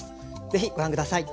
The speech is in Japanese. ぜひご覧下さい。